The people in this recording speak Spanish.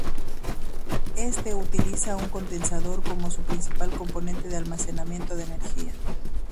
Este utiliza un condensador como su principal componente de almacenamiento de energía.